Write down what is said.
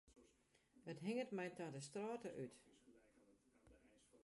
It hinget my ta de strôt út.